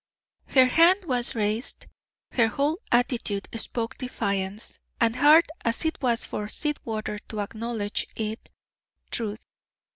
Her hand was raised, her whole attitude spoke defiance and hard as it was for Sweetwater to acknowledge it truth.